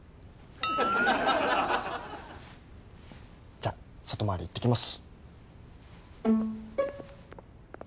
じゃあ外回り行ってきます。